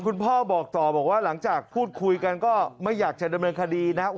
พ่อบอกต่อบอกว่าหลังจากพูดคุยกันก็ไม่อยากจะดำเนินคดีนะ